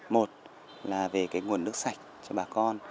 một là về cái nguồn nước sạch cho bà con